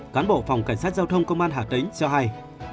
cán bộ phòng cảnh sát giao thông công an hà tĩnh cho hay